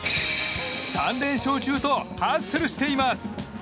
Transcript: ３連勝中とハッスルしています。